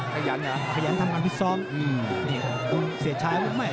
ขยันหรอขยันทำการพิทย์ซ้อมเสียชายว่าไม่